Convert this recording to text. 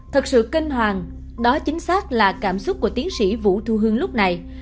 thật sự kinh hoàng đó chính xác là cảm xúc của tiến sĩ vũ thu hương lúc này